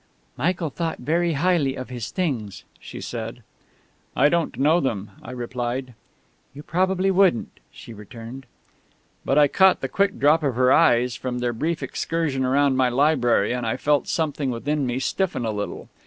"Michael thought very highly of his things," she said. "I don't know them," I replied. "You probably wouldn't," she returned.... But I caught the quick drop of her eyes from their brief excursion round my library, and I felt something within me stiffen a little.